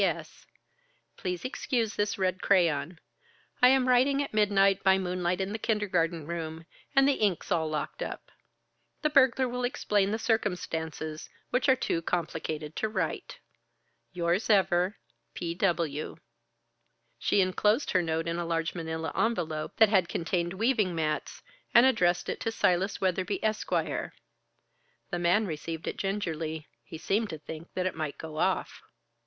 "P. S. Please excuse this red crayon. I am writing at midnight, by moonlight in the kindergarten room, and the ink's all locked up. The burglar will explain the circumstances, which are too complicated to write. "Yours ever, "P. W." She enclosed her note in a large manila envelope that had contained weaving mats, and addressed it to Silas Weatherby, Esq. The man received it gingerly. He seemed to think that it might go off.